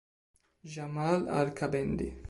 Jamal Al-Qabendi